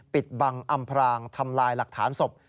ปิดบังอำพรางทำลายหลักฐานศพ